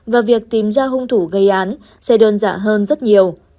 và việc tìm ra hung thủ gây án sẽ đơn giản hơn rất nhiều